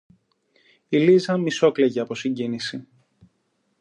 Η Λίζα μισόκλαιγε από συγκίνηση